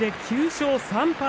９勝３敗。